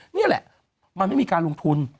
นี่แหละมันไม่มีการลงทุน